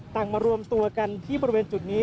มารวมตัวกันที่บริเวณจุดนี้